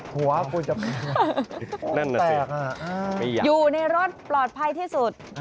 หัวคุณจะเปลี่ยน